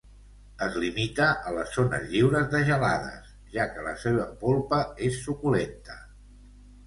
Es limita a les zones lliures de gelades, ja que la seva polpa és suculenta.